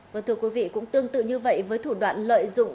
vâng thưa quý vị cũng tương tự như vậy với thủ đoạn lợi dụng